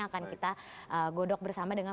akan kita godok bersama dengan